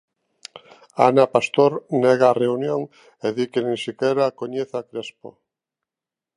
Ana Pastor nega a reunión e di que nin sequera coñece a Crespo.